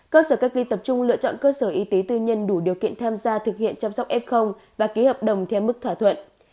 cơ sở cách ly tập trung lựa chọn cơ sở y tế tư nhân đủ điều kiện tham gia thực hiện chăm sóc f và ký hợp đồng theo mức thỏa thuận